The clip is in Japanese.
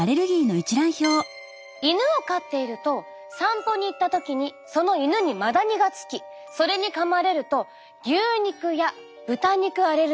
犬を飼っていると散歩に行った時にその犬にマダニがつきそれにかまれると牛肉や豚肉アレルギーに。